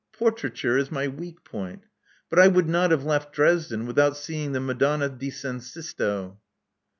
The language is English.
Portraiture is my weak point. But I would not have left Dresden without seeing the Madonna di San Sisto."